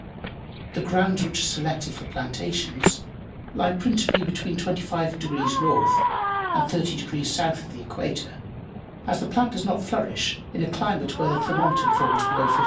The grounds which are selected for plantations lie principally between 25° north and 30° south of the equator, as the plant does not flourish in a climate where the thermometer falls below 55°.